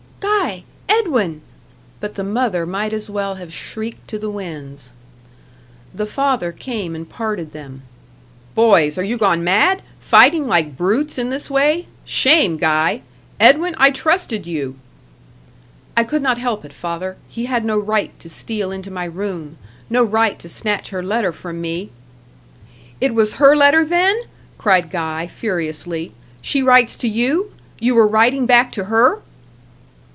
"Guy! Edwin!" But the mother might as well have shrieked to the winds. The father came and parted them. "Boys, are you gone mad? fighting like brutes in this way. Shame, Guy! Edwin, I trusted you." "I could not help it, father. He had no right to steal into my room; no right to snatch her letter from me." "It was her letter, then?" cried Guy, furiously. "She writes to you? You were writing back to her?"